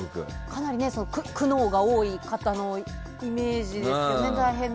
かなり苦悩が多い方のイメージですよね。